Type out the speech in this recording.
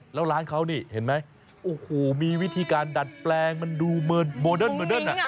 แล้วร้านเขานี่เห็นไหมโอ้โหมีวิธีการดัดแปลงมันดูโมเดิร์น